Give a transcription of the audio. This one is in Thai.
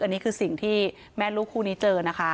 อันนี้คือสิ่งที่แม่ลูกคู่นี้เจอนะคะ